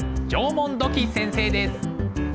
縄文土器先生です。